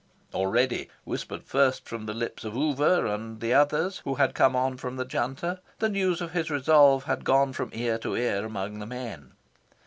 Already, whispered first from the lips of Oover and the others who had come on from the Junta, the news of his resolve had gone from ear to ear among the men.